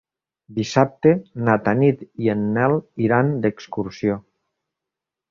Dissabte na Tanit i en Nel iran d'excursió.